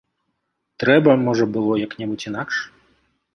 Трэба, можа, было як-небудзь інакш.